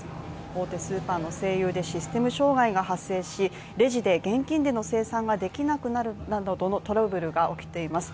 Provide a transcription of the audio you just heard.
大手スーパーの西友でシステム障害が発生し、レジで現金での精算ができなくなるなどのトラブルが起きています。